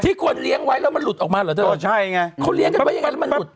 ควรเลี้ยงไว้แล้วมันหลุดออกมาเหรอเธอใช่ไงเขาเลี้ยงกันไว้ยังไงแล้วมันหลุด